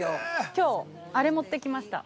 きょう、あれ持ってきました。